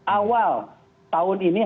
awal tahun ini